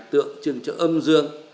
tượng trưng cho âm dương